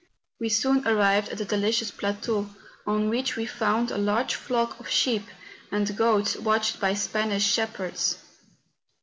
We soon arrived at a delicious plateau, on which we found a large flock of sheep and goats watched by Spanish shepherds.